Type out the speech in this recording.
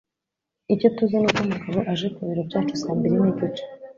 Icyo tuzi ni uko Mugabo aje ku biro byacu saa mbiri n'igice.